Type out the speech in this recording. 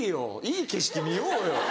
いい景色見ようよ。